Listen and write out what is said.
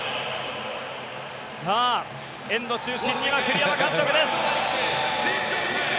さあ、円の中心には栗山監督です。